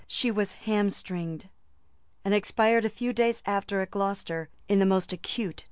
She was hamstringed; and expired a few days after at Glocester in the most acute torments.